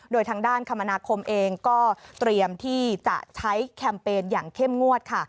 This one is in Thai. โดยทางด้านคมนาคมเองก็เตรียมที่จะใช้แคมเปญอย่างเข้มงวดค่ะ